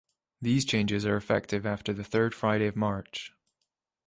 These changes are effective after the third Friday of March.